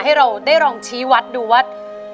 ให้เราได้ลองชี้วัดดูว่า